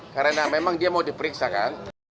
karena memang dia mau diperiksakan